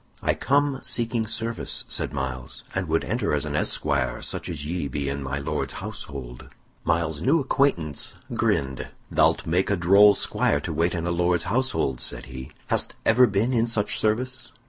"I come seeking service," said Myles, "and would enter as an esquire such as ye be in my Lord's household." Myles's new acquaintance grinned. "Thou'lt make a droll squire to wait in a Lord's household," said he. "Hast ever been in such service?"